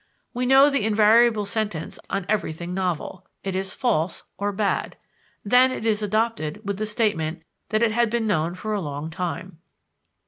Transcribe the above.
We know the invariable sentence on everything novel it is "false" or "bad;" then it is adopted with the statement that it had been known for a long time.